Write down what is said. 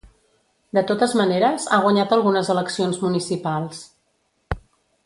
De totes maneres, ha guanyat algunes eleccions municipals.